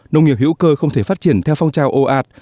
nông nghiệp hữu cơ không thể phát triển theo phong trào ồ ạt